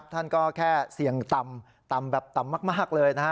ท่านก็แค่เสี่ยงต่ำต่ำแบบต่ำมากเลย